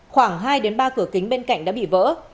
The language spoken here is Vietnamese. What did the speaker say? khoảng hai ba cửa kính bên cạnh đã bị vỡ